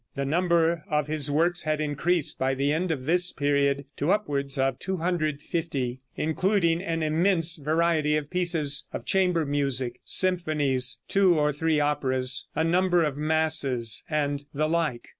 The number of his works had increased by the end of this period to upwards of 250, including an immense variety of pieces of chamber music, symphonies, two or three operas, a number of masses, and the like.